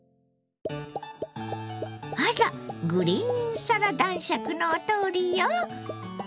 あらグリーンサラ男爵のお通りよ。